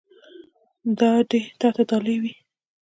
دا دې تا ته ډالۍ وي.